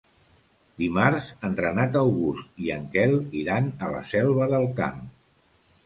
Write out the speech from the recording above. Dimarts en Renat August i en Quel iran a la Selva del Camp.